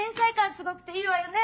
すごくていいわよね。